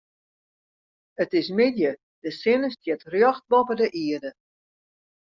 It is middei, de sinne stiet rjocht boppe de ierde.